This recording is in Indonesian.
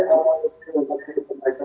cara untuk bagaimana kita